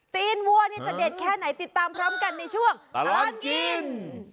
ตีนวัวนี่จะเด็ดแค่ไหนติดตามพร้อมกันในช่วงตลอดกิน